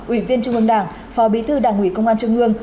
ủy viên trung ương đảng phó bí thư đảng ủy công an trung ương